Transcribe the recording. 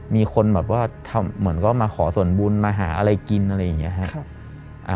มีคนแบบว่าเหมือนก็มาขอส่วนบุญมาหาอะไรกินอะไรอย่างนี้ครับ